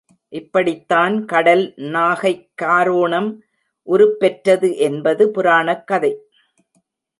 இப்படித் தான் கடல் நாகைக் காரோணம் உருப்பெற்றது என்பது புராணக் கதை.